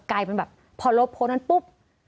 กลายเป็นแบบพอลบโพสต์นั้นปุ๊บ